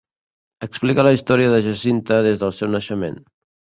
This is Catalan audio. Explica la història de Jacinta des del seu naixement.